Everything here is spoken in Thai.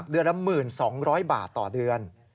เดือนละ๑๒๐๐บาทต่อเดือน